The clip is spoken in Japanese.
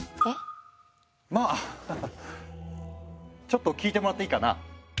ちょっと聞いてもらっていいかな？